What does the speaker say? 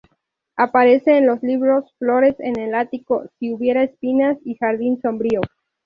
Aparece en los libros Flores en el ático, Si hubiera espinas y Jardín sombrío.